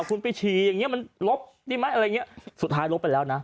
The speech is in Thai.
คุณไปฉี่อย่างเงี้มันลบดีไหมอะไรอย่างเงี้ยสุดท้ายลบไปแล้วนะ